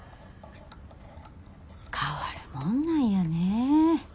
変わるもんなんやね。